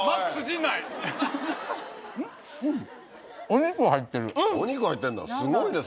お肉入ってんだ。